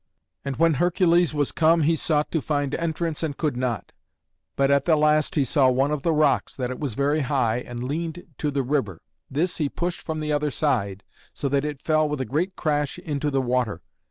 And when Hercules was come he sought to find entrance and could not; but at the last he saw one of the rocks that it was very high and leaned to the river. This he pushed from the other side, so that it fell with a great crash into the water.